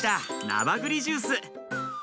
ナバグリジュース。